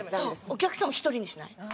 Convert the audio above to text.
お客さんを１人にしない。